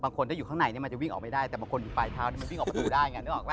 คนถ้าอยู่ข้างในมันจะวิ่งออกไม่ได้แต่บางคนอยู่ปลายเท้ามันวิ่งออกประตูได้ไงนึกออกป